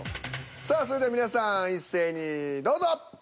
さあそれでは皆さん一斉にどうぞ！